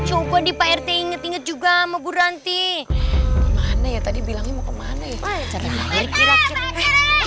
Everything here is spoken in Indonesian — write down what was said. hai coba dipainnya tinggal juga mau buranti mana ya tadi bilangnya mau kemana ya